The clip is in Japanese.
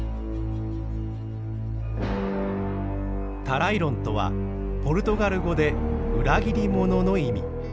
タライロンとはポルトガル語で「裏切り者」の意味。